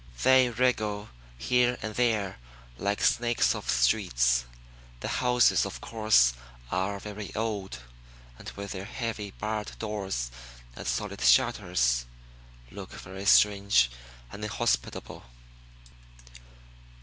They wriggle here and there like snakes of streets. The houses, of course, are very old, and with their heavy barred doors and solid shutters, look very strange and inhospitable.